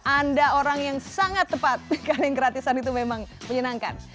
anda orang yang sangat tepat karena yang gratisan itu memang menyenangkan